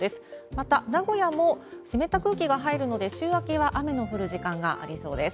また、名古屋も湿った空気が入るので、週明けは雨の降る時間がありそうです。